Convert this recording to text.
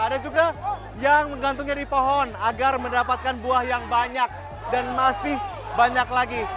ada juga yang menggantungnya di pohon agar mendapatkan buah yang banyak dan masih banyak lagi